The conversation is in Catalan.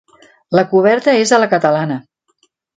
La coberta és a la catalana.